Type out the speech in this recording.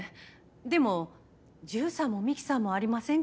でもジューサーもミキサーもありませんけど。